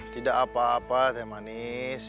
tidak apa apa teh manis